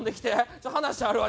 ちょっと話あるわ。